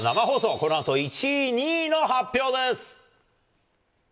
このあと１位、２位の発表です。